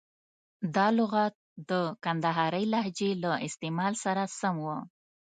دا لغت د کندهارۍ لهجې له استعمال سره سم و.